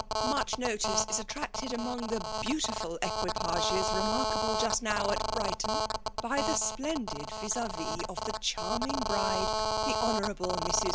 " Much notice is attracted among the bean* tifiilequipi^es remarkable jnst now at Brighton^ by the splendid vis a vis of the charming bride^ the Hon. Mrs.